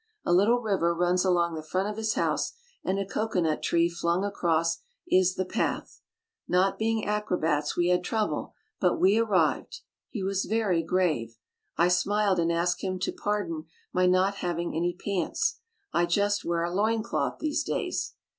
A little river runs along the front of his house and a cocoa nut tree flung across is the path. Not being acrobats we had trouble but we arrived — he was very grave. I smiled and asked him to pardon my not having any pants — I Just wear a loin cloth these days.